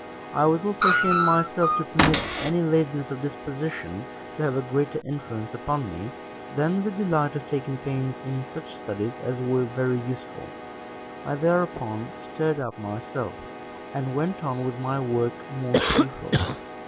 I was also ashamed myself to permit any laziness of disposition to have a greater influence upon me, than the delight of taking pains in such studies as were very useful: I thereupon stirred up myself, and went on with my work more cheerfully.